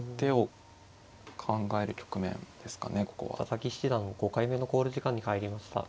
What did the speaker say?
佐々木七段５回目の考慮時間に入りました。